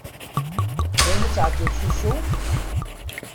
Dayen ad tεeddiḍ s usu?